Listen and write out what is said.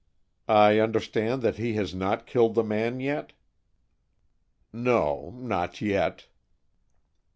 "I understand that he has not killed the man yet?" "No, not yet."